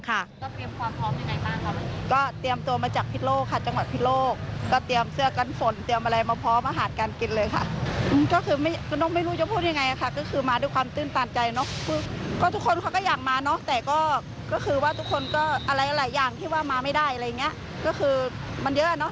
ก็เตรียมความพร้อมอย่างไรบ้างครับ